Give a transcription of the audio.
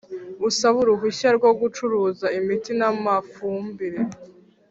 Usaba uruhushya rwo gucuruza imiti n amafumbire